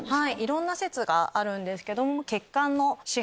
いろんな説があるんですけども。